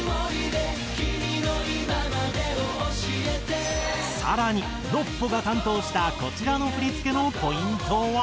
「君の今までを教えて」更にＮＯＰＰＯが担当したこちらの振付のポイントは。